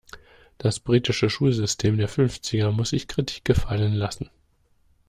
Das britische Schulsystem der Fünfziger muss sich Kritik gefallen lassen.